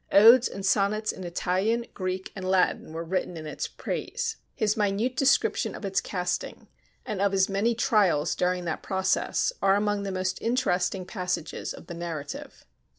Odes and sonnets in Italian, Greek, and Latin were written in its praise. His minute description of its casting, and of his many trials during that process, are among the most interesting passages of the narrative.